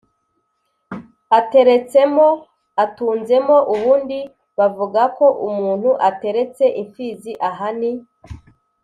ateretsemo: atunzemo ubundi bavuga ko umuntu ateretse imfizi aha ni